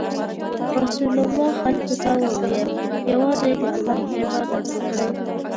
رسول الله خلکو ته وویل: یوازې د الله عبادت وکړئ.